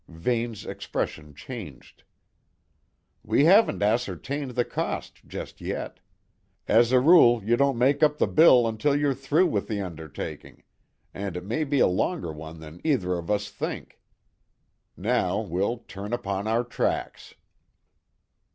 Vane's expression changed. "We haven't ascertained the cost just yet. As a rule, you don't make up the bill until you're through with the undertaking; and it may be a longer one than either of us think. Now we'll turn upon our tracks."